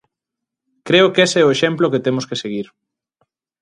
Creo que ese é o exemplo que temos que seguir.